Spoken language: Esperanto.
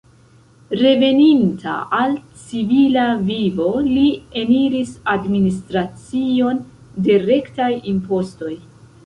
Reveninta al civila vivo, li eniris administracion de rektaj impostoj.